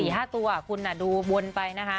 สี่ห้าตัวคุณดูม้วนไปนะครับ